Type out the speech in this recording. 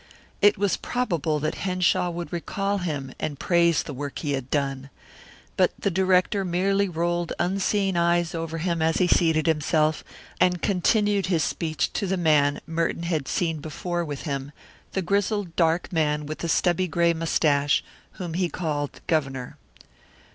It was probable that Henshaw would recall him and praise the work he had done. But the director merely rolled unseeing eyes over him as he seated himself, and continued his speech to the man Merton had before seen him with, the grizzled dark man with the stubby gray mustache whom he called Governor.